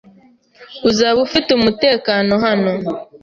Uzaba ufite umutekano hano.